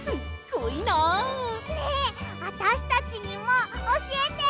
あたしたちにもおしえて！